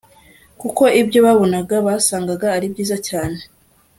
kuko ibyo babonaga basangaga ari byiza cyane!